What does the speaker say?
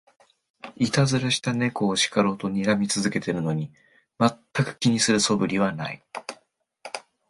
いたずらした猫を叱ろうとにらみ続けてるのに、まったく気にする素振りはない